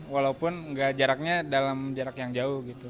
walaupun jaraknya dalam jarak yang jauh gitu